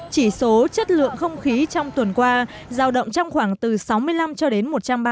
chỉ số chất lượng không khí trong tuần qua giao động trong khoảng từ sáu mươi năm cho đến một trăm ba mươi